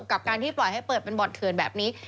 กับการที่ปล่อยให้เปิดเป็นบ่อนเถื่อนแบบนี้